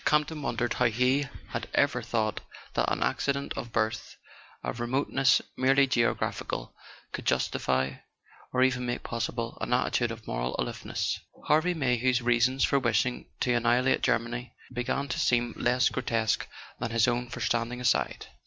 Campton wondered how he had ever thought that an accident of birth, a remoteness merely geographical, could justify, or even make possible, an attitude of moral aloofness. Harvey Mayhew's reasons for wishing to annihilate Germany began to seem less grotesque than his own for standing aside.